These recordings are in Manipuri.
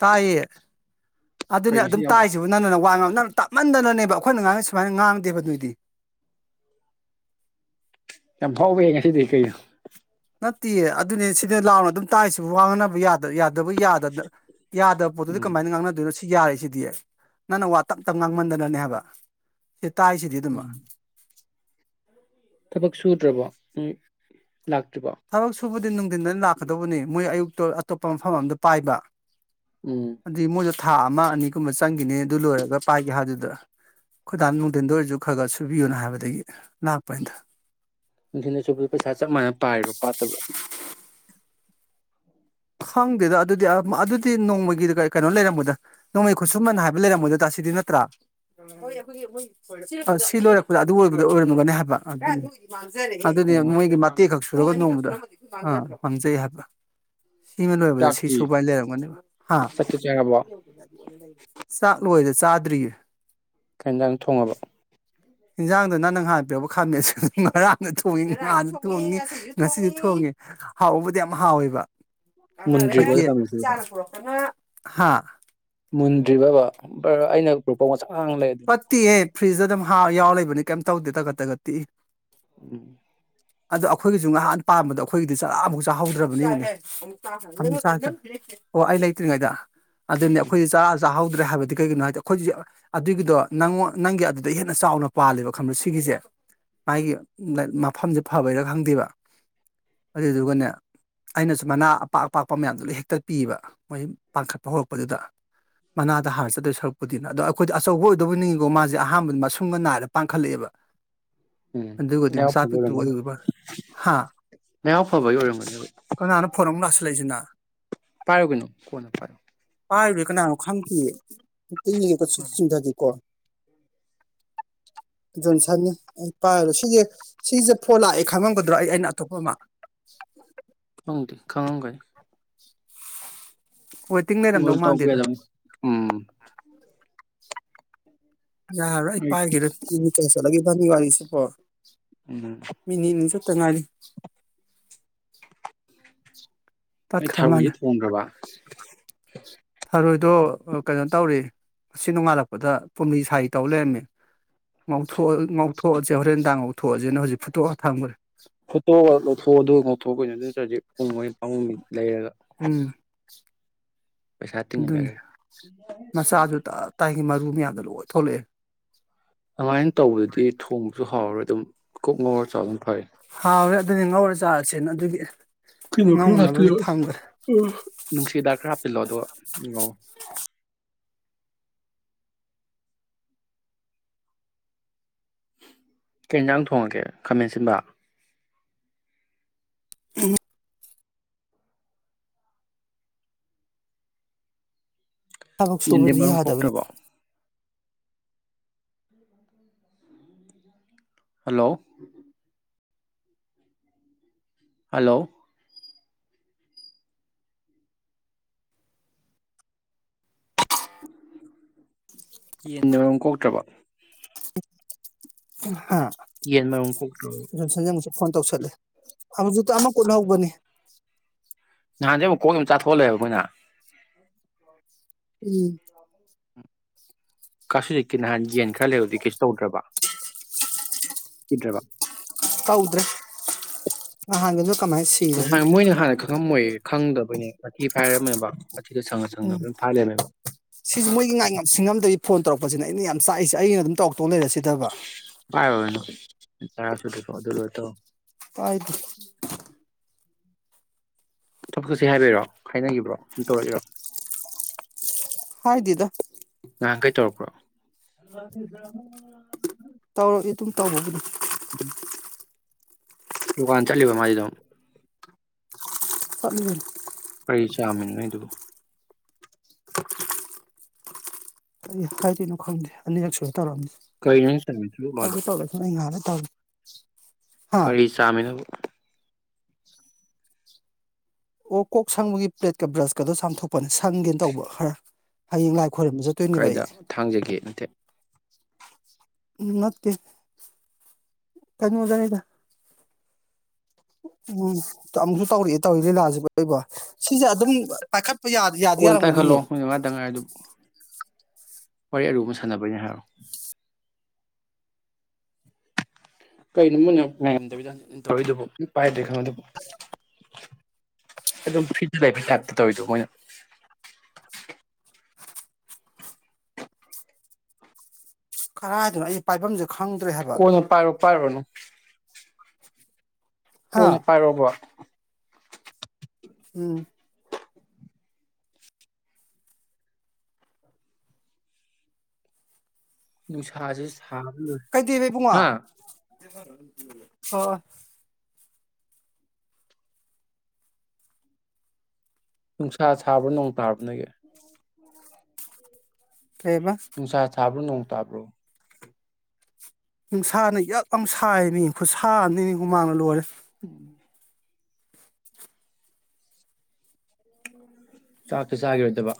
ꯇꯥꯏꯌꯦ ꯀꯩ ꯑꯗꯨꯅꯦ ꯉꯁꯤ ꯑꯗꯨꯝ ꯌꯥꯝ ꯇꯥꯏꯁꯤꯕꯨ ꯅꯪꯅꯅ ꯋꯥ ꯉꯥꯡ ꯅꯪ ꯇꯞꯃꯟꯗꯅꯅꯦ ꯑꯩꯈꯣꯏꯅ ꯉꯥꯡ ꯁꯨꯃꯥꯏꯅ ꯉꯥꯡꯗꯦꯕ ꯅꯣꯏꯗꯤ ꯌꯥꯝ ꯐꯥꯎꯕ ꯉ ꯁꯤꯗꯤ ꯀꯩ ꯅꯠꯇꯦ ꯑꯗꯨꯅꯦ ꯁꯤꯗ ꯂꯥꯎꯅ ꯑꯗꯨꯝ ꯇꯥꯛꯁꯤꯕꯨ ꯋꯥꯅꯅꯕ ꯌꯥꯗꯕ ꯌꯥꯗ ꯌꯥꯗꯕ ꯄꯣꯠꯇꯨꯗꯤ ꯎꯝ ꯀꯃꯥꯏꯅ ꯉꯥꯡꯅꯗꯣꯏꯅꯣ ꯁꯤ ꯁꯤ ꯌꯥꯔꯦꯁꯤꯗꯤ ꯅꯪꯅ ꯋꯥ ꯇꯞ ꯇꯞ ꯉꯥꯡꯃꯟꯗꯅꯅꯦ ꯍꯥꯏꯕ ꯇꯥꯏꯁꯤꯗꯤ ꯑꯗꯨꯃ ꯎꯝ ꯊꯕꯛ ꯁꯨꯗ꯭ꯔꯕꯣ ꯎꯝ ꯂꯥꯛꯇ꯭ꯔꯤꯕ ꯑꯗꯨ ꯅꯨꯡꯊꯤꯟꯗ ꯂꯥꯛꯀꯗꯧꯕꯅꯤ ꯃꯣꯏ ꯑꯌꯨꯛꯇ ꯑꯇꯣꯞꯄ ꯃꯐꯝ ꯑꯗ ꯄꯥꯏꯕ ꯎꯝ ꯗꯤ ꯃꯣꯖ ꯊꯥ ꯑꯃ ꯑꯅꯤꯒꯨꯝꯕ ꯆꯪꯈꯤꯅꯦ ꯑꯗꯨ ꯂꯣꯏꯔꯒ ꯄꯥꯏꯒꯦ ꯍꯥꯏꯗꯨꯗ ꯈꯨꯣꯏꯗꯥꯟ ꯅꯨꯡꯊꯤꯟꯗ ꯑꯣꯏꯔꯁꯨ ꯈꯔ ꯈꯔ ꯁꯨꯕꯤꯌꯨꯅ ꯍꯥꯏꯕꯗꯒꯤ ꯂꯥꯛꯄꯅꯤꯗ ꯅ ꯆ ꯄꯩꯁꯥ ꯆ ꯃꯌꯥꯝ ꯄꯥꯏꯔꯣ ꯄꯥꯠꯇꯕ ꯈꯪꯗꯦꯗ ꯑꯗꯨꯗꯤ ꯑꯗꯨꯗꯤ ꯅꯣꯡꯃꯒꯤ ꯀꯩꯅꯣ ꯂꯩꯔꯝꯕꯗ ꯅꯣꯡꯃꯩ ꯈꯨꯠꯁꯨꯃꯟ ꯍꯥꯏꯕ ꯂꯩꯔꯝꯕꯗ ꯇ ꯁꯤꯗꯤ ꯅꯠꯇ꯭ꯔꯥ ꯁꯤ ꯂꯣꯏꯔꯛꯄꯗ ꯑꯗꯨ ꯑꯣꯏꯕꯗ ꯑꯣꯏꯔꯝꯒꯅꯤ ꯍꯥꯏꯕ ꯑꯗꯨꯅꯤ ꯑꯣ ꯅꯣꯡꯃꯩꯒꯤ ꯃꯇꯦꯛ ꯈꯛ ꯁꯨꯔꯒ ꯅꯣꯡꯃꯗ ꯑꯥ ꯉꯝꯖꯩ ꯍꯥꯏꯕ ꯁꯤꯃ ꯂꯣꯏꯕꯗ ꯆꯥꯛꯇꯤ ꯁꯤꯁꯨꯨꯄꯥꯏ ꯂꯩꯔꯝꯒꯅꯦꯕ ꯍꯥ ꯆꯥꯛꯇꯤ ꯆꯥꯔꯕꯣ ꯂꯣꯏꯔꯦ ꯆꯥꯗ꯭ꯔꯤꯌꯦ ꯀꯩꯏꯟꯁꯥꯡ ꯊꯣꯡꯉꯕ ꯌꯦꯟꯖꯥꯡꯗꯦ ꯅꯪꯅ ꯍꯥꯏꯥꯟꯄꯤꯔꯕ ꯈꯥꯃꯦꯟ ꯑꯁꯤꯟꯕꯗꯨ ꯉꯥꯔꯥꯡꯁꯨ ꯊꯣꯡꯉꯤ ꯅꯥꯟꯁꯨ ꯊꯣꯡꯉꯤ ꯉꯁꯤꯁꯨ ꯊꯣꯡꯉꯦ ꯍꯥꯎꯕꯨꯗꯤ ꯌꯥꯝ ꯍꯥꯎꯋꯦꯕ ꯃꯨꯟꯗ꯭ꯔꯤꯕꯣ ꯈꫭꯏꯒꯤ ꯈꯥꯃꯦꯟ ꯑꯁꯤꯟꯕꯗꯣ [unintelligible] ꯍꯥꯥ ꯃꯨꯟꯗ꯭ꯔꯤꯕꯕ ꯑꯩꯅ ꯒ꯭ꯔꯨꯞꯄꯥꯎꯆꯥ ꯄꯠꯇꯤꯍꯦ ꯐ꯭ꯔꯤꯖꯇ ꯑꯗꯨꯝ ꯌꯥꯎꯔ ꯂꯩꯕꯅꯤ ꯀꯩꯝꯇ ꯇꯧꯗꯦ [unintelligible] ꯎꯝ ꯑꯗꯣ ꯑꯩꯈꯣꯏꯒꯤꯁꯨ ꯉꯍꯥꯟ ꯄꯥꯝꯕꯗꯣ ꯑꯩꯈꯣꯏꯒꯤꯗꯤ ꯆꯔꯥ ꯑꯃꯨꯛ ꯆꯥꯍꯧꯗ꯭ꯔꯕꯅꯤ ꯑꯣ ꯑꯩ ꯂꯩꯇ꯭ꯔꯤꯉꯩꯗ ꯑꯗꯨꯅꯤ ꯑꯩꯈꯣꯏ ꯆꯥꯍꯥꯎ ꯍꯥꯏꯕꯗꯤ ꯀꯩꯒꯤꯅꯣ ꯍꯥꯏꯗꯤ ꯑꯩꯈꯣꯏꯁ ꯑꯗꯨꯒꯤꯗꯣ ꯅꯪꯉ ꯅꯪꯒꯤ ꯑꯗꯨꯗ ꯍꯦꯟꯅ ꯆꯥꯎꯅ ꯄꯥꯜꯂꯦꯕ ꯈꯪꯕꯣ ꯁꯤꯒꯤꯁꯦ ꯃꯥꯒꯤ ꯃꯐꯝꯁꯦ ꯐꯕꯩꯔꯥ ꯈꯪꯗꯦꯕ ꯑꯗꯨꯏꯗꯨꯒꯅꯦ ꯑꯩꯅꯁꯨ ꯃꯅꯥ ꯑꯄꯥꯛ ꯑꯄꯥꯛꯄ ꯃꯌꯥꯝꯗꯨꯗ ꯍꯦꯛꯇ ꯄꯤꯑꯕ ꯃꯣꯏ ꯄꯥꯡꯈꯠꯄ ꯍꯧꯔꯛꯄꯗꯨꯗ ꯃꯅꯥꯗ ꯍꯥꯔ ꯆꯗꯣꯏ ꯁꯔꯛꯄꯗꯨꯅ ꯑꯗꯣ ꯑꯩꯈꯣꯏꯗ ꯑꯆꯧꯕ ꯑꯣꯏꯗꯧꯕꯅꯤꯉꯀꯣ ꯃꯥꯁꯦ ꯑꯍꯥꯟꯕꯗ ꯃꯁꯨꯡꯒ ꯅꯥꯏꯒ ꯄꯥꯡꯈꯠꯂꯛꯑꯦꯕ ꯎꯝ ꯑꯗꯨꯒꯗꯤ ꯂꯩꯍꯥꯎ ꯃꯆꯥ ꯄꯤꯛꯇ꯭ꯔꯨ ꯑꯣꯏꯔꯝꯒꯅꯤ ꯑꯣꯏꯕ ꯍꯥ ꯉꯎꯐꯕꯒꯤ ꯑꯣꯏꯔꯝꯒꯅꯦꯕ ꯂꯩꯖꯅꯥ ꯄꯔꯣ ꯀꯩꯅꯣ ꯀꯣꯅ ꯄꯣ ꯄꯥꯏꯔꯔꯣꯏ ꯀꯅꯥꯅꯣ ꯈꯪꯗꯦꯌꯦ ꯆꯤꯡꯗꯗꯤ ꯀꯣ ꯖꯣꯟꯁꯟꯅꯤ ꯑꯩ ꯄꯥꯏ ꯁꯤꯁꯦ ꯁꯤꯁꯦ ꯐꯣꯟ ꯂꯥꯛꯑꯦ ꯈꯪꯉꯝꯒꯗ꯭ꯔꯣ ꯑꯩ ꯑꯩꯅ ꯑꯇꯣꯞꯄ ꯑꯃ ꯎꯣꯡꯗꯤ ꯈꯪꯉꯝꯒꯅꯤ ꯍꯣꯏ ꯇꯤꯡ ꯀꯣꯜ ꯂꯩꯔꯝꯗꯧ ꯇꯧꯕ ꯃꯥꯟꯗꯦꯗ ꯌꯥꯗꯕꯅꯤ ꯎꯝ ꯌꯥꯔ ꯑꯩ ꯄꯥꯏꯒꯦꯗ ꯏ ꯀꯂꯒꯦ ꯒꯒꯥꯁꯤꯦ ꯄ ꯎꯝ ꯃꯤꯅꯤꯅꯤ ꯆ ꯆꯇ ꯉꯥꯂꯤ ꯇꯠ ꯅꯣꯏ ꯈꯃꯜ ꯊꯔꯣꯏꯗꯤ ꯊꯣꯡꯒ꯭ꯔꯕ ꯊꯔ ꯑꯗꯣ ꯀꯩꯅꯣ ꯇꯧꯔꯤ ꯑꯁꯤ ꯅꯣꯡꯉꯥꯜꯂꯛꯄꯗ ꯄꯨꯨꯝꯔꯤ ꯁꯔꯤ ꯇꯧ ꯂꯩꯔꯝꯃꯤ ꯉꯧꯊꯣꯛꯑ ꯊꯣꯛꯣꯑꯁꯦ ꯍꯣꯔꯦꯟꯗꯥꯉꯧꯊꯣꯑꯦ ꯑꯗꯨꯖꯤꯅ ꯍꯧꯖꯤꯛ ꯐꯨꯇꯣ ꯍꯥ ꯊꯥꯡꯕ꯭ꯔꯦ ꯐꯣꯠꯇꯣꯛꯑ ꯂꯧꯊꯣꯛꯑ ꯑꯗꯨꯒ ꯂꯧꯊꯣꯛꯩꯅ ꯆꯨꯡ ꯂꯩꯔꯒ ꯄꯩꯁꯥ ꯇꯤꯡꯉ ꯑꯗꯨꯅꯦ ꯂꯩꯔꯒ ꯃꯆꯥꯁꯨ ꯇꯥꯏꯒꯤ ꯃꯔꯨ ꯌꯥ ꯊꯣꯛꯂꯛꯑꯦ ꯑꯗꯨꯃꯥꯏꯅ ꯇꯧꯕꯗꯗꯤ ꯊꯣꯡꯁꯨ ꯍꯥꯎꯔꯣꯏ ꯑꯗꯨꯝ ꯀꯣꯛ ꯉꯋꯥ ꯆꯥꯎ ꯑꯗꯨꯝ ꯐꯩ ꯍꯥꯎꯋꯦ ꯑꯗꯨꯗꯤ ꯉꯧꯔ ꯆꯥꯔꯁꯦꯅ ꯑꯗꯨꯒꯤ ꯀꯩꯅꯣ ꯈꯔ ꯍꯥ ꯉꯧꯅꯕꯒꯤ ꯊꯝꯈ꯭ꯔꯦ ꯅꯨꯡꯁꯤꯗꯥꯛ ꯈꯔ ꯍꯥꯞꯆꯤꯜꯂꯣ ꯑꯗꯨꯒ ꯉꯧ ꯀꯩ ꯌꯦꯟꯁꯥꯡ ꯊꯣꯡꯉꯒꯦ ꯈꯥꯃꯦꯟ ꯑꯁꯤꯟꯕ ꯑꯝ ꯊꯕꯛ ꯌꯦꯟꯗꯤ ꯁꯨꯕꯁꯨ ꯃꯔꯨꯝ ꯌꯥꯗꯕꯅꯤ ꯀꯣꯛꯇ꯭ꯔꯕ ꯍꯂꯣ ꯍꯜꯂꯣ [inaudible] ꯌꯦꯟꯗ ꯃꯔꯨꯝ ꯀꯣꯛꯇ꯭ꯔꯕꯥ [inaudible] ꯎ [inaudible] ꯌꯦꯟ ꯃꯔꯨꯝ ꯀꯣꯛ꯭ꯇꯔꯣ ꯁꯟꯖꯦꯟꯃꯨꯛꯁꯨ ꯐꯣꯟ ꯇꯧꯁꯜ ꯂꯛꯑꯦ ꯍꯧꯖꯤꯛꯇ ꯑꯃ ꯀꯨꯟ ꯍꯧꯕꯅꯤ ꯅꯍꯥꯟꯁꯩ ꯑꯃꯨꯛ ꯀꯣꯛ ꯑꯃ ꯆꯥꯊꯣꯛꯂꯦꫪꯕ ꯃꫭꯏꯅ ꯎꯝ ꯀꯁꯤ ꯆꯀꯤꯅ ꯍꯥꯏ ꯌꯦꯟ ꯈꯔ ꯂꯩꯔꯕꯗꯤ ꯀꯩꯁꯨ ꯇꯧꯗ꯭ꯔꯕ [unintelligible] ꯇꯧꯗꯔꯦ ꯅꯍꯥꯟ ꯥꯅꯍꯥꯟ ꯃꯣꯏꯅ ꯍꯥꯟꯅ ꯈꯪꯉꯝꯃꯣꯏ ꯈꯪꯗꯕꯅꯦ ꯃꯊꯤ ꯐꯥꯏꯔꯝꯃꯦꯕ ꯋꯥꯊꯤꯗꯣ ꯁꯪꯉ ꯁꯪꯅ ꯎꯝ ꯂꯣꯏ ꯐꯥꯏ ꯂꯩꯔꯝꯃꯦꯕ ꯁꯤꯁꯨ ꯃꯣꯏꯒꯤ ꯉꯥꯡ ꯉꯁꯤꯡꯉꯝꯗꯒꯤ ꯐꯣꯟ ꯇꯧꯔꯛꯄꯁꯤꯅ ꯑꯩꯅ ꯌꯥꯝ ꯁꯥꯏꯏꯁꯦ ꯑꯩꯅ ꯑꯗꯨꯝ ꯇꯥꯎ ꯇꯧ ꯂꯩꯔꯁꯤꯗꯕ ꯇꯥꯁꯨꯗ ꯁ ꯑꯗꯨꯔ ꯑꯣꯏꯠꯇ ꯐꯥꯏꯗ ꯊꯕꯛ ꯆꯠꯁꯤ ꯍꯥꯏꯕꯤꯔꯣ ꯍꯥꯏꯅꯈꯤꯕ꯭ꯔꯣ ꯑꯗꯨꯝ ꯇꯧꯔꯛꯒꯔꯣ ꯍꯥꯏꯗꯗ ꯉꯍꯥꯟ ꯀꯩ ꯇꯧꯔꯛꯄ꯭ꯔꯣ ꯇꯧꯔꯛꯏ ꯑꯗꯨꯝ ꯇꯧꯕꯕꯨꯅꯤ ꯎꯝ ꯇꯗꯨꯀꯥꯟ ꯆꯂꯤꯕ ꯃꯥꯖꯤꯗꯝ ꯍ ꯀꯩ ꯆꯃꯤꯅꯣ ꯅꯪ ꯒꯤꯗꯣ ꯀ ꯀꯥꯏꯗꯅꯣ ꯈꯪꯗꯦ ꯑꯅꯤꯔꯛꯁꯨ ꯇꯧꯔꯝ ꯀꯔꯤꯅꯣ ꯅꯪ ꯆꯥꯃꯤꯟ ꯇꯔꯨꯛ ꯇꯧ ꯂꯣꯏꯗꯣ ꯇꯧꯔꯁꯨ ꯑꯩ ꯉꯥꯜꯂꯦ ꯇꯧ [inaudible] ꯀꯔꯤ ꯆꯥꯃꯤꯅꯕ ꯑꯣ ꯀꯣꯛ ꯁꯪꯕꯒꯤ ꯄ꯭ꯂꯦꯠꯀ ꯕ꯭ꯔꯁꯀꯗꯣ ꯆꯥꯝꯊꯣꯛꯄꯅꯤ ꯁꯪꯒꯦꯅ ꯇꯧꯕ ꯈꯔ ꯍꯌꯦꯡ ꯂꯥꯛꯄ ꯀꯥꯏꯗ ꯊꯥꯡꯖꯒꯦ ꯅꯇꯦ ꯎꯝ ꯅꯠꯇꯦ ꯀꯩꯅꯣꯗꯅꯤꯗꯥ ꯎꯝ ꯑꯃꯨꯛꯁꯨ ꯇꯧꯔꯛꯑꯦ ꯇꯧꯔꯤ ꯂꯤꯂꯥꯖꯤꯕꯣ ꯁꯤꯖꯦ ꯑꯗꯨꯝ ꯄꯥꯏꯈꯠ ꯀꯣꯟ ꯄꯥꯏꯈꯠꯂꯣ ꯃꯤꯅꯠꯃꯉꯥꯇꯪ ꯉꯥꯏꯔꯗꯨꯕꯨ ꯋꯥꯔꯤ ꯑꯔꯨꯕ ꯁꯥꯟꯅꯕꯩꯅꯦ ꯍꯥꯏꯔꯣ ꯀꯩꯅꯣ ꯃꯣꯏꯅ ꯉꯥꯏꯉꯝꯗꯕꯤꯗ ꯍꯟꯖꯟ ꯖꯟ ꯇꯧꯔꯩꯗꯨꯕꯨ ꯃꯤ ꯄꯥꯏꯗ꯭ꯔꯦ ꯈꯪꯉꯗꯨꯕꯨ ꯑꯗꯨꯝ ꯐꯤ ꯇꯥꯏ ꯈꯦꯇ ꯇꯧꯋꯗꯣ ꯃꯣꯏꯅ ꯀꯔꯥꯏꯗꯅꯣ ꯑꯩ ꯄꯥꯏꯕꯝꯖꯨ ꯀꯣꯟꯅ ꯄꯥꯏꯔꯣ ꯄꯥꯏꯔꯣꯅꯨ ꯍꯥ ꯀꯣꯟꯅ ꯄꯥꯏꯔꯣꯕ ꯎꯝ ꯅꯨꯡꯁꯥꯥꯖꯦ ꯀꯩꯗꯩꯕ ꯏꯕꯨꯡꯉꯣ ꯍ ꯅꯨꯡꯁꯥ ꯁꯥꯕꯔꯣ ꯅꯣꯡ ꯇꯥꯕ ꯅꯣꯏꯒꯤ ꯀꯩꯕ ꯅꯨꯡꯁꯥ ꯊꯥ꯭ꯕꯔꯣ ꯅꯣꯡ ꯇꯥꯕ꯭ꯔꯣ ꯅꯨꯡꯁꯥꯅ ꯌꯛ ꯌꯥꯝ ꯁꯥꯏꯃꯦ ꯈꯨꯠꯁꯥꯅꯤ ꯍꯨꯃꯥꯡꯅ ꯂꯣꯏꯔꯦ [inaudible] ꯆꯥꯛꯇꯤ ꯆꯥꯒꯤꯔꯣꯏꯗꯕ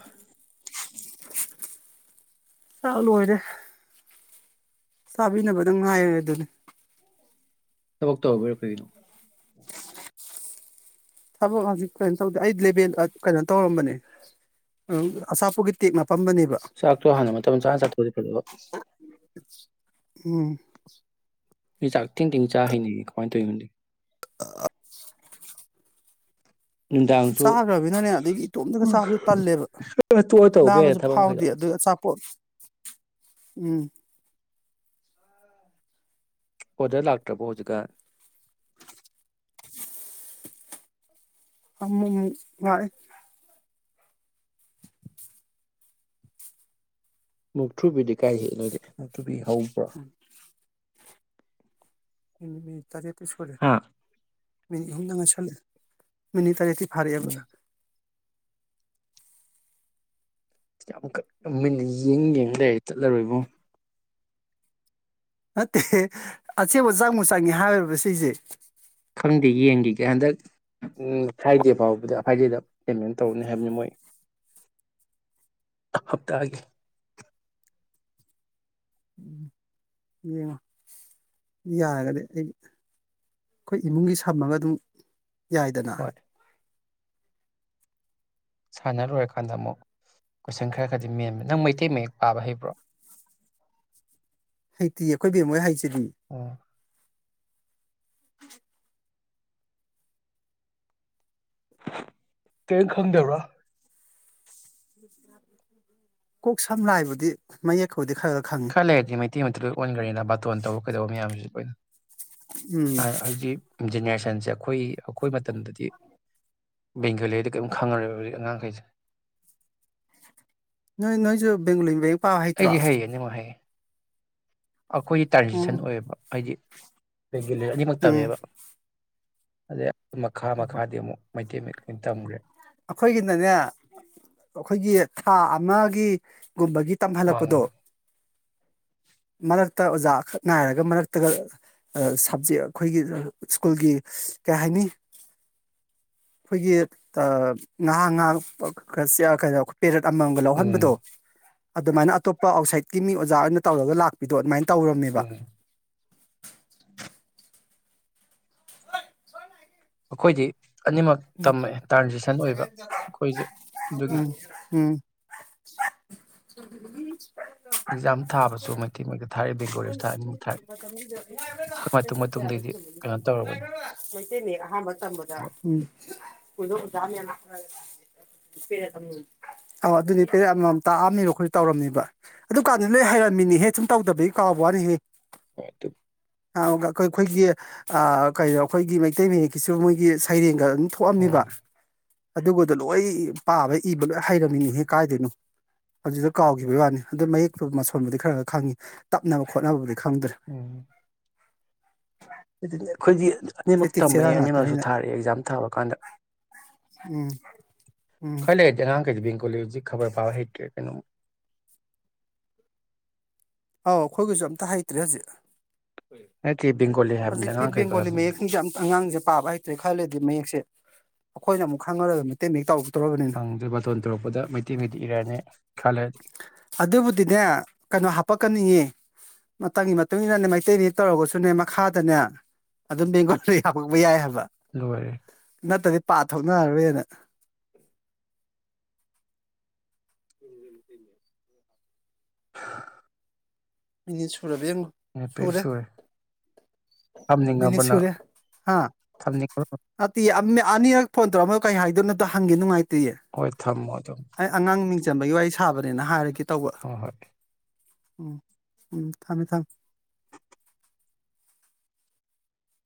ꯆꯥꯛ ꯂꯣꯏꯔꯦ ꯆꯥꯕꯤꯅꯕꯗꯪ ꯉꯥꯏꯔꯦ ꯗꯨꯅꯤ ꯊꯕꯛꯇꯧꯕꯩꯔ ꯀꯩꯅꯣ ꯊꯕꯛ ꯍꯧꯖꯤꯛ ꯀꯩꯝ ꯇꯧꯗꯦ ꯑꯩ ꯂꯦꯕꯦꯜꯗ ꯀꯩꯅꯣ ꯇꯧꯔꯝꯕꯅꯦ ꯑꯆꯥꯄꯣꯠꯀꯤ ꯇꯦꯛ ꯅꯞ ꯆꯥꯛꯇꯣ ꯍꯥꯟꯅ ꯃꯇꯝ ꯆꯥꯅ ꯆꯥꯊꯣꯛꯑꯗꯤ ꯐꯗꯕ ꯎꯝ ꯃꯤ ꯆꯥꯛ ꯊꯦꯡ ꯊꯦꯡ ꯆꯥ ꯍꯩꯅꯩꯑꯦ ꯀꯃꯥꯏꯅ ꯇꯧꯅꯣ [unintelligible] ꯁꯨꯝ ꯅꯨꯡꯗꯥꯡꯁꯨ ꯆꯥꯒꯔꯕꯤꯅꯅꯦ ꯑꯗꯒꯤ ꯏꯇꯣꯝꯇꯒ ꯄꯨꯡ ꯆꯥꯕꯖꯨ ꯇꯜꯂꯦꯕ ꯈꯔ ꯇꯣꯛꯑ ꯇꯧꯕ ꯌꯥꯏꯗ ꯂꯥꯝꯕꯁꯨ ꯊꯕꯛ ꯃꯈꯩꯗꯣ ꯐꯥꯎꯗꯦ ꯑꯗꯨ ꯑꯆꯥ ꯎꯝ ꯑꯣꯗꯔ ꯂꯥꯛꯇ꯭ꯔꯥꯕꯣ ꯍꯧꯖꯤꯛꯀꯥꯟ ꯑꯃꯨꯃꯨꯛ ꯂꯥꯛꯏ [unintelligible] ꯃꯨꯛꯊꯔꯨꯕꯤꯗꯤ ꯀꯥꯏꯗꯩ ꯅꯣꯏꯗꯤ ꯃꯨꯛꯊꯔꯨꯕꯤ ꯍꯧꯕ꯭ꯔꯥ [inaudible] ꯎꯝ ꯎꯝ ꯇꯔꯦꯠꯄꯨ ꯁꯨꯔꯦ ꯃꯤꯅꯤ ꯍꯨꯝꯗ ꯉꯥꯏꯁꯜꯂꯠꯑꯦ ꯃꯤꯅꯤꯠ ꯇꯔꯦꯠꯇꯤ ꯐꯔꯦꯕ ꯎꯝ ꯌꯥꯝ ꯌꯦꯡ ꯌꯦꯡ ꯂꯩꯔꯦ ꯆꯠꯂꯔꯣꯏꯕꯣ ꯅꯠꯇꯦ ꯑꯆꯦꯕ ꯆꯥꯡꯃꯨ ꯆꯪꯉ ꯍꯥꯏꯔꯕ ꯁꯤꯁꯦ ꯈꯪꯗꯦ ꯌꯦꯡꯈꯤꯒꯦ ꯍꯟꯗꯛ ꯐ꯭ꯔꯥꯏꯗꯦ ꯐꯥꯎꯕꯗ ꯐ꯭ꯔꯥꯏꯗꯦꯗ ꯄꯦꯃꯦꯟ ꯇꯧꯅꯤ ꯍꯥꯏꯕꯅꯤ ꯃꯣꯏ ꯍꯞꯇꯥꯒ ꯌꯦꯡꯉꯣ ꯌꯥꯔꯒꯗꯤ ꯑꯩ ꯑꯩꯈꯣꯏ ꯏꯃꯨꯡꯒꯤ ꯁꯝꯃꯒ ꯑꯗꯨꯝ ꯌꯥꯏꯗꯅ ꯍꯣꯏ ꯁꯥꯟꯅꯔꯨꯔꯀꯥꯟꯗ ꯑꯃꯨꯛ ꯀꯣꯏꯁꯟ ꯈꯔ ꯈꯔꯗꯤ ꯃꯦꯟꯃꯦ ꯅꯪ ꯃꯩꯇꯩ ꯃꯌꯦꯛ ꯄꯥꯕ ꯍꯩꯕ꯭ꯔꯣ ꯍꯩꯇꯤ ꯑꯩꯈꯣꯏꯕꯦꯝ ꯃꯣꯏ ꯍꯥꯏꯦ ꯁꯤꯗ ꯎꯝ ꯇ ꯈꯪꯗꯦꯕ꯭ꯔꯥ ꯀꯣꯛ ꯁꯝ ꯂ ꯕꯨꯗꯤ ꯃꯌꯦꯛ ꯈꯔ ꯂꯩꯔꯗꯤ ꯃꯩꯇꯩ ꯃ ꯂꯣꯏ ꯑꯣꯟꯈ꯭ꯔꯦꯅ ꯕꯥꯇꯣꯟ ꯇꯧꯕ ꯀꯩꯗꯧꯕ ꯃꯌꯥꯝꯁꯤꯁꯨ ꯂꯣꯏꯅ ꯎꯝ ꯑꯩ ꯏ ꯒꯦꯅ ꯁꯦ ꯑꯩꯈꯣꯏ ꯑꯩꯈꯣꯏ ꯇꯗꯗꯤ ꯕꯦꯡꯒꯂꯤꯗ ꯀꯔꯤꯝ ꯈꯪꯉꯔꯦꯕ ꯍꯧꯖꯤꯛ ꯑꯉꯥꯡꯈꯩꯁꯦ ꯅꯣꯏ ꯅꯣꯏꯁꯨ ꯕꯦꯡꯒꯂꯤ ꯑꯩ ꯍꯥꯏꯌꯦꯌꯦ ꯅꯤꯡꯃ ꯍꯥꯏꯌꯦ ꯑꯩꯈꯣꯏꯒꯤ ꯇ꯭ꯔꯦꯗꯤꯁꯟ ꯎꯝ ꯑꯣꯏꯌꯦꯕ ꯍꯥꯏꯗꯤ ꯕꯥꯟꯒꯂꯤ ꯎꯝ ꯏꯅꯤꯃꯛꯇꯏꯕ ꯑꯗꯦꯏ ꯃꯈꯥ ꯍꯣꯏ ꯍꯣꯏ ꯃꯈꯥꯗꯤ ꯑꯃꯨꯛ ꯃꯩꯇꯩ ꯃꯌꯦꯛ ꯀ ꯇꯝꯈ꯭ꯔꯦ ꯑꯩꯈꯣꯏꯒꯤꯅꯅꯦ ꯑꯩꯈꯣꯏꯒꯤ ꯊꯥ ꯑꯃꯒꯤ ꯒꯨꯝꯕꯒꯤ ꯑꯪ ꯇꯝꯍꯜꯂꯛꯄꯗꯣ ꯃꯔꯛꯇ ꯑꯣꯖꯥꯈꯛ ꯉꯥꯏꯔꯒ ꯃꯔꯛꯇꯒ ꯁꯕꯖꯦꯛ ꯑꯩꯈꯣꯏꯒꯤ ꯁ꯭ꯀꯨꯜꯒꯤ ꯀꯩ ꯍꯥꯏꯅꯤ ꯑꯩꯈꯣꯏꯒꯤ ꯇ ꯅꯍꯥ ꯍ ꯀ ꯁꯌꯥ ꯀꯅꯣ ꯄꯦꯔꯠ ꯑꯃꯃꯝꯒ ꯎꯝ ꯂꯧꯍꯟꯕꯗꯣ ꯑꯗꯨꯃꯥꯏꯅ ꯑꯇꯣꯞꯄ ꯑꯥꯎꯠꯁꯥꯏꯠꯀꯤ ꯃꯤ ꯑꯣꯖꯥ ꯑꯣꯏꯅ ꯇꯧꯔꯒ ꯂꯥꯛꯄꯤꯗꯣ ꯑꯗꯨꯃꯥꯏꯅ ꯇꯧꯔꯝꯃꯦꯕ ꯎꯝ ꯑꯩꯈꯣꯏꯗꯤ ꯑꯅꯤꯃꯛ ꯎꯝ ꯇꯝꯃꯦ ꯇ꯭ꯔꯥꯟꯖꯦꯛꯁꯟ ꯑꯣꯏꯕ ꯑꯩꯈꯣꯏꯁꯨ ꯑꯗꯨꯒꯤ ꯎꯝ ꯎꯝ ꯆ ꯑꯦꯛꯖꯥꯝ ꯊꯥꯕꯁꯨ ꯃꯩꯇꯩ ꯃꯌꯦꯛꯇ ꯊꯥꯔꯛꯑꯦ ꯕꯦꯡꯒꯣꯂꯤꯁꯨ ꯊꯥꯔꯛꯑꯦ ꯑꯅꯤꯃꯛ ꯊꯥꯔꯛꯑꯦ ꯑꯩꯈꯣꯏ ꯃꯇꯨꯡ ꯃꯇꯨꯡꯗꯩꯗꯤ ꯀꯩꯅꯣ ꯇꯧꯔꯕꯅꯤ ꯃꯩꯇꯩ ꯃꯌꯦꯛ ꯑꯍꯥꯟꯕ ꯇꯝꯕꯗ ꯎꯝ꯫ ꯑ ꯑꯗꯨꯗꯤ ꯄꯦꯔꯦꯠ ꯑꯃꯃꯝ ꯇꯥꯛꯑꯝꯃꯤꯔꯣ ꯑꯩꯈꯣꯏ ꯇꯧꯔꯝꯃꯤꯕ ꯑꯗꯨ ꯀꯥꯟꯗ ꯂꯣꯏ ꯍꯩꯔꯝꯃꯤꯅꯤꯍꯦ ꯁꯨꯝ ꯇꯧꯗꯕꯒꯤ ꯀꯥꯎꯕ ꯋꯥꯅꯤꯍꯦ ꯍ ꯑꯗꯨ ꯑꯩ ꯑꯩꯈꯣꯏꯒꯤ ꯀꯩꯅꯣ ꯑꯩꯈꯣꯏꯒꯤ ꯃꯩꯇꯩ ꯃꯌꯦꯛꯀꯤꯁꯨ ꯃꯣꯏꯒꯤ ꯁꯩꯔꯦꯡꯒ ꯊꯣꯛꯑꯝꯅꯤꯕ ꯎꯝ ꯑꯗꯨꯒꯗꯣ ꯂꯣꯏ ꯄꯥꯕ ꯏꯕ ꯂꯣꯏ ꯍꯩꯔꯝꯃꯤꯅꯤ ꯍꯦꯛ ꯀꯥꯏꯗꯣꯏꯅꯣ ꯑꯗꯨꯗ ꯀꯥꯎꯈꯤꯕꯒꯤ ꯋꯥꯅꯤ ꯑꯗꯨ ꯃꯌꯦꯛꯇꯨ ꯃꯁꯣꯟꯕꯨꯗꯤ ꯈꯔ ꯈꯔ ꯈꯪꯉꯤ ꯇꯞꯅꯕ ꯈꯣꯠꯅꯕꯕꯨꯗꯤ ꯈꯗ꯭ꯔ ꯎꯝ ꯑꯗꯨꯅꯤ ꯑꯩꯈꯣꯏꯗꯤ ꯑꯅꯤꯃꯛ ꯁꯦꯇꯤꯛ ꯇꯝꯃꯦ ꯆꯦꯔꯥ ꯑꯅꯤꯃꯛꯁꯨ ꯉꯥꯛꯇꯅꯤꯅ ꯊꯥꯔꯛꯑꯦ ꯑꯦꯛꯖꯥꯝ ꯊꯥꯕ ꯀꯥꯟꯗ ꯎꯝ ꯎꯝ ꯈꯜꯂ ꯍꯥꯏꯦ ꯉꯉ ꯀꯩꯦꯕꯤ ꯀꯖꯤ ꯈꯕꯔ ꯄꯥꯎ ꯍꯦ ꯇꯦ ꯀꯩꯅꯣ ꯑꯥꯎ ꯑꯩꯈꯣꯏꯒꯤꯁꯨ ꯑꯝꯇ ꯍꯩꯇ꯭ꯔꯦ ꯍꯧꯖꯤꯛ ꯅꯠꯇꯦ ꯕꯦꯡꯒꯣꯂꯤ ꯍꯥꯏꯕꯅꯤꯗ ꯍꯧꯖꯤꯛꯀꯤ ꯑꯉꯥꯡꯈꯩꯗꯣ ꯕꯦꯡꯒꯣꯂꯤ ꯍꯥꯏꯕꯅꯤꯗ ꯃꯌꯦꯛꯁꯤꯡꯁꯦ ꯑ ꯑꯉꯥꯡꯁꯦ ꯄꯥꯕ ꯍꯩꯇ꯭ꯔꯦ ꯈꯜꯂꯗꯤ ꯃꯌꯦꯛꯁꯦ ꯑꯩꯈꯣꯏꯅ ꯑꯃꯨꯛ ꯈꯪꯔꯒ ꯃꯇꯇꯩ ꯃꯌꯦꯛ ꯇꯧ ꯍꯪꯗ꯭ꯔꯦ ꯕꯥꯇꯣꯟ ꯇꯧꯔꯛꯄꯗ ꯃꯩꯇꯩꯒꯗꯤ ꯏꯔꯅꯤ ꯈꯜꯂꯗꯤ ꯅꯤꯡꯉꯤ ꯃꯇꯝꯒꯤ ꯃꯇꯨꯡ ꯏꯟꯅꯅꯦ ꯃꯩꯇꯩꯅꯤ ꯇꯧꯔꯒꯁꯨꯅꯦ ꯃꯈꯥꯗꯅꯦ ꯑꯗꯨꯝ ꯕꯦꯡꯒꯣꯜꯗ ꯍꯥꯄꯛꯄ ꯌꯥꯏ ꯍꯥꯏꯕ ꯂꯣꯏꯔꯦ ꯅ ꯇ ꯄꯥꯊꯣꯛꯅꯔꯔꯣꯏꯅ ꯃꯤꯅꯤ ꯁꯨꯔꯥꯦ ꯁꯨꯔꯦ ꯃꯤꯅꯤꯠ ꯊꯝꯅꯤꯡꯉꯕ ꯅꯪ ꯁꯨꯔꯦ ꯍꯥ ꯊꯝꯅꯤꯡꯉꯕ ꯑ ꯑꯅꯤꯔꯛ ꯐꯣꯟ ꯇꯧꯔꯝꯃꯒ ꯀꯩ ꯍꯥꯏꯗꯣꯏꯅꯣ ꯍꯪꯒꯦ ꯅꯨꯉꯥꯏꯇꯦ ꯍꯣꯏ ꯊꯝꯃꯣ ꯑꯗꯨꯝ ꯑꯩ ꯑꯉꯥꯡ ꯃꯤꯡ ꯆꯝꯕꯒꯤ ꯋꯥꯔꯤ ꯁꯥꯕꯅꯦꯅ ꯍꯥꯏꯔꯒ ꯍ ꯍꯣꯏ ꯎꯝ ꯎꯝ ꯊꯝꯃꯦ ꯊꯝꯃꯦ